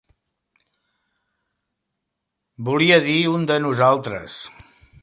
Volia dir un de nosaltres.